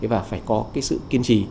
và phải có cái sự kiên trì